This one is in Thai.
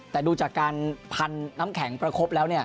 แต่ดูจากการพันน้ำแข็งประคบแล้วเนี่ย